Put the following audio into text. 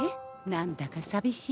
なんだか寂しい？